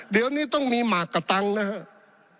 เดี๋ยวนี้ต้องมีหมากกระตังค์นะครับ